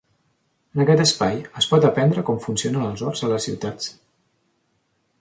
En aquest espai es pot aprendre com funcionen els horts a les ciutats.